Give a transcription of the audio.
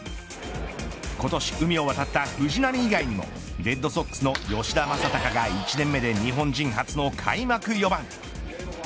今年海を渡った藤浪以外にもレッドソックスの吉田正尚が１年目で日本人初の開幕４番。